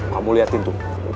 kamu lihat itu